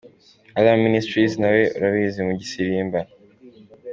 Alarm Ministries nawe urabazi mu gusirimba.